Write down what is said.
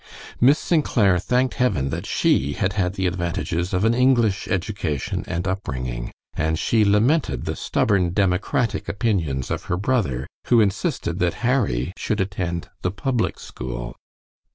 Miss St. Clair thanked heaven that she had had the advantages of an English education and up bringing, and she lamented the stubborn democratic opinions of her brother, who insisted that Harry should attend the public school.